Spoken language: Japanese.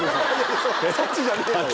そっちじゃないのよ。